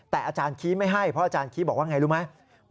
แต่อาจารย์คีย์ไม่ให้เพราะอาจารย์คีย์บอกว่าอย่างไรรู้ไหม